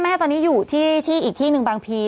แม่ตอนนี้อยู่ที่อีกที่หนึ่งบางพี